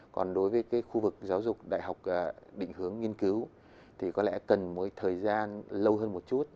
còn đối với khu vực giáo dục đại học định hướng nghiên cứu thì có lẽ cần một thời gian lâu hơn một chút